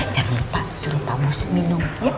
jangan lupa suruh pak bos minum